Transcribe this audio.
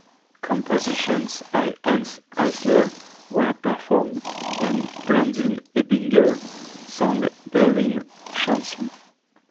Compositions by Hanns Eisler were performed, and Blandine Ebinger sang Berlin chansons.